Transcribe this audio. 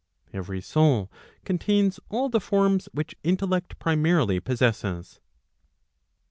Every soul contains all the forms which intellect primarily possesses.